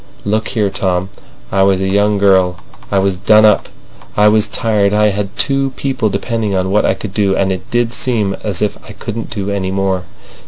"Look here, Tom! I was a young girl. I was done up. I was tired. I had two people depending on what I could do, and it did seem as if I couldn't do any more.